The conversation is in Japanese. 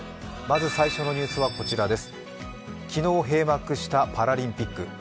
まず最初のニュースは、こちらです昨日閉幕したパラリンピック。